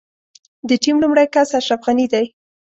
د ټيم لومړی کس اشرف غني دی.